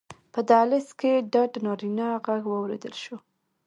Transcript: په دهلېز کې ډډ نارينه غږ واورېدل شو: